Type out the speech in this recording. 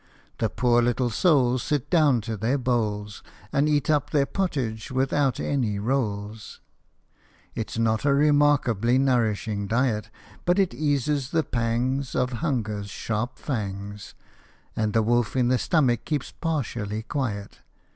The poor little souls Sit down to their bowls, And eat up their pottage without any rolls. 77 HOP O MY THUMB. It 's not a remarkably nourishing diet, But it eases the pangs Qf hunger's sharp fangs, And the wolf in the stomach keeps partially quiet.